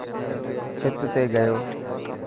ڇت تي گيو.